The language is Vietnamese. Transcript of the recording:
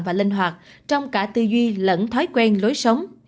và linh hoạt trong cả tư duy lẫn thói quen lối sống